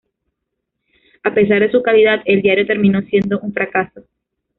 A pesar de su calidad, el diario terminó siendo un fracaso.